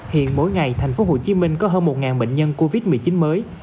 hiện mỗi ngày tp hcm có hơn một bệnh nhân covid một mươi chín mới